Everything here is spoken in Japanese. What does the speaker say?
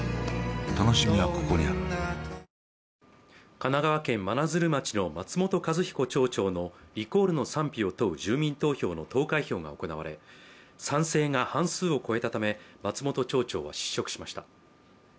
神奈川県真鶴町の松本一彦町長のリコールの賛否を問う住民投票の投開票が行われ賛成が半数を超えたため松本町長は失職しました。